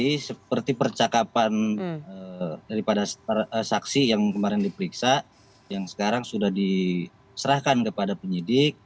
jadi seperti percakapan daripada saksi yang kemarin diperiksa yang sekarang sudah diserahkan kepada penyidik